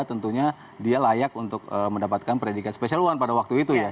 tentunya dia layak untuk mendapatkan predikat special one pada waktu itu ya